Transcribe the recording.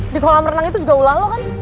di kolam renang itu juga ulah lo kan